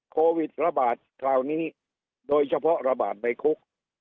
โควิดระบาดคราวนี้โดยเฉพาะระบาดในคุก